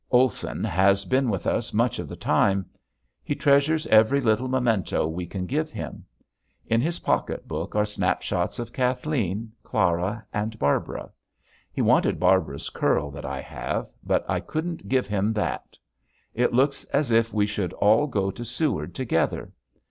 Olson has been with us much of the time. He treasures every little memento we can give him. In his pocket book are snapshots of Kathleen, Clara, and Barbara. He wanted Barbara's curl that I have but I couldn't give him that. It looks as if we should all go to Seward together.